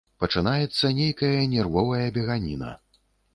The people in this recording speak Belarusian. Пачынаецца нейкая нервовая беганіна.